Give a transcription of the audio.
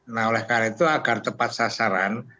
nah oleh karena itu agar tepat sasaran